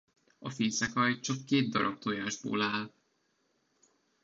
A fészekalj csak két darab tojásból áll.